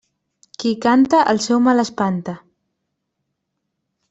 Qui canta, el seu mal espanta.